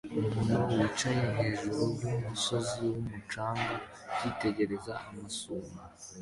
Umuntu wicaye hejuru yumusozi wumucanga yitegereza amasumo